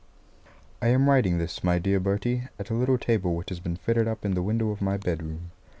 I am writing this, my dear Bertie, at a little table which has been fitted up in the window of my bedroom.